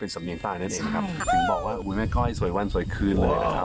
สำเนียงใต้นั่นเองนะครับถึงบอกว่าแม่ก้อยสวยวันสวยคืนเลยนะครับ